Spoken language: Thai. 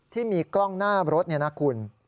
ที่มีกล้องหน้ารถนี่นะคุณ